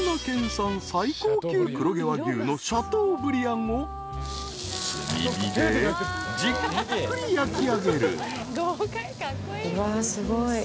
産最高級黒毛和牛のシャトーブリアンを炭火でじっくり焼きあげる］